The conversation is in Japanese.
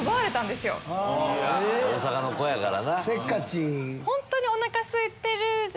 大阪の子やからな。